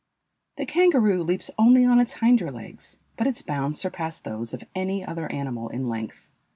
The kangaroo leaps only on its hinder legs, but its bounds surpass those of any other animal in length.